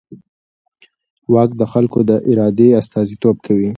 واک د خلکو د ارادې استازیتوب کوي.